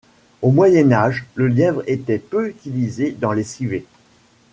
Au Moyen Âge, le lièvre était peu utilisé dans les civets.